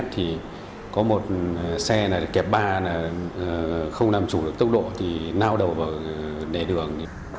thì có một xe kẹp ba không làm chủ được tốc độ thì nao đầu vào đề đường